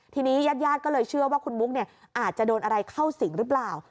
ทีนี้ญาติญาติก็เลยเชื่อว่าคุณบุ๊กอาจจะโดนอะไรเข้าสิงหรือเปล่า